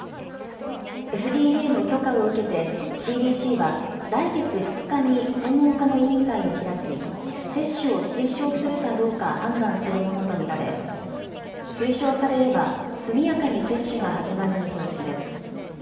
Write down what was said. ＦＤＡの許可を受けて、ＣＤＣは来月２日に、専門家の委員会を開き、接種を推奨するかどうか判断するものと見られ、推奨されれば、速やかに接種が始まる見通しです。